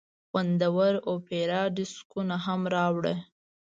خوندور اوپيراډیسکونه هم راوړه.